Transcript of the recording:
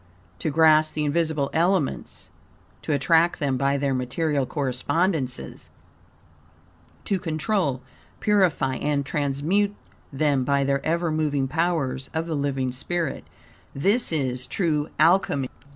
To grasp the invisible elements, to attract them by their material correspondences, to control, purify, and transmute, them by the ever moving powers of the living spirit this is true Alchemy."